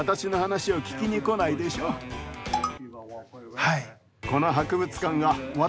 はい。